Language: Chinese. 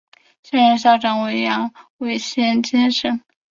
现任校长为杨伟贤先生。